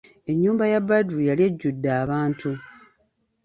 Ennyumba ya Badru yali ejjudde abantu.